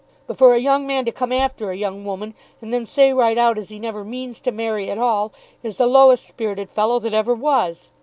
But for a young man to come after a young woman, and then say, right out, as he never means to marry at all, is the lowest spirited fellow that ever was.